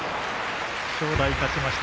正代勝ちました。